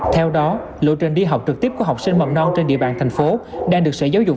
theo đó lộ trình đi học trực tiếp của học sinh mầm non trên địa bàn thành phố đang được sở giáo dục